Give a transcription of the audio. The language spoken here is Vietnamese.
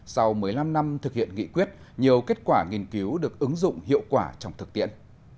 sau một mươi năm năm thực hiện nghị quyết nhiều kết quả nghiên cứu được ứng dụng hiệu quả trong thực tiễn